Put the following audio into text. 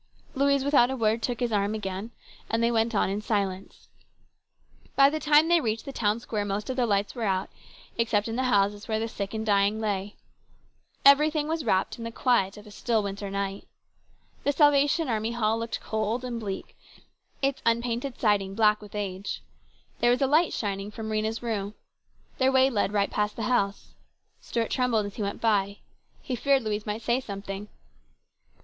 Louise without a word took his arm again and they went on in silence. By the time they reached the town square most of the lights were out, except in the houses where the sick and dying lay. Everything was wrapped in the quiet of a still winter night. The Salvation Army Hall looked cold and bleak, its unpainted siding black with age. There DISAPPOINTMENT. 219 was a light shining from Rhena's room. Their way led right past the house. Stuart trembled as he went by. He feared Louise might say something.